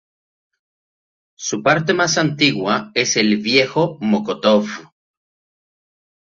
Su parte más antigua es "El Viejo Mokotów".